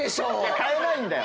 変えないんだよ。